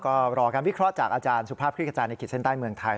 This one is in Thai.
ก็รอการวิเคราะห์จากอาจารย์สุภาพคลิกกระจายในขีดเส้นใต้เมืองไทย